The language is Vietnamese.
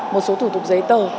một số thủ tục giấy tờ